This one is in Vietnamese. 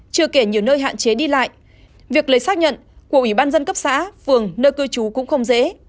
chưa kể nhiều nơi hạn chế đi lại việc lấy xác nhận của ủy ban dân cấp xã phường nơi cư trú cũng không dễ